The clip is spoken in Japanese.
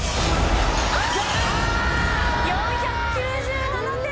４９７点！